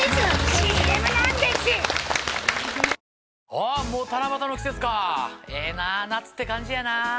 あっもう七夕の季節かええな夏って感じやなぁ。